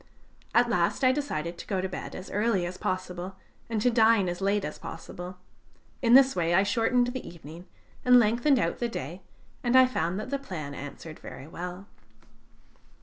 At last I decided to go to bed as early as possible, and to dine as late as possible; in this way I shortened the evening and lengthened out the day, and I found that the plan answered very well.